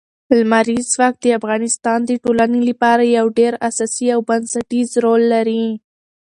لمریز ځواک د افغانستان د ټولنې لپاره یو ډېر اساسي او بنسټيز رول لري.